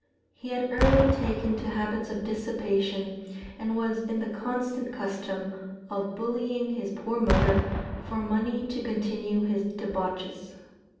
He had early taken to habits of dissipation, and was in the constant custom of bullying his poor mother, for money to continue his debauches.